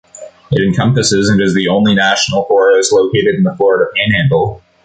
It encompasses and is the only national forest located in the Florida Panhandle.